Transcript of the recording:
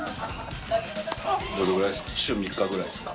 どれぐらいですか？